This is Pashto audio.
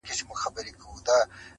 تاسو په درد مه كوئ.